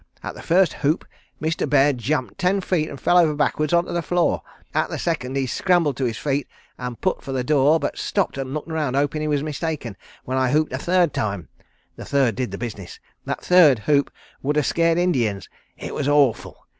At the first whoop Mr. Bear jumped ten feet and fell over backwards onto the floor; at the second he scrambled to his feet and put for the door, but stopped and looked around hopin' he was mistaken, when I whooped a third time. The third did the business. That third whoop would have scared Indians. It was awful.